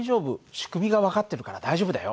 仕組みが分かってるから大丈夫だよ。